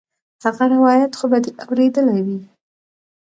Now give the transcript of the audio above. هغه روايت خو به دې اورېدلى وي.